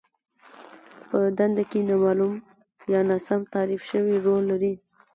په دنده کې نامالوم يا ناسم تعريف شوی رول لرل.